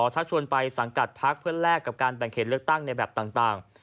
ชักชวนไปสังกัดพักเพื่อแลกกับการแบ่งเขตเลือกตั้งในแบบต่าง